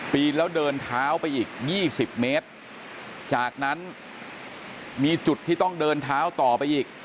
ปีนแล้วเดินเท้าไปอีก๒๐เมตรจากนั้นมีจุดที่ต้องเดินเท้าต่อไปอีก